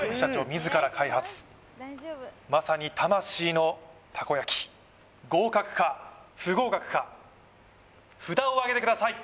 自ら開発まさに魂のたこ焼合格か不合格か札をあげてください